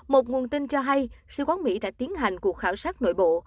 một nguồn tin cho hay sư quán mỹ đã tiến hành cuộc khảo sát nội bộ